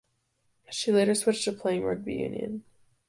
She later switched to playing rugby union.